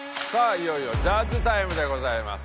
いよいよジャッジタイムでございます。